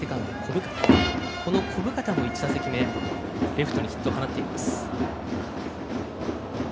小深田の１打席目レフトにヒットを放っています。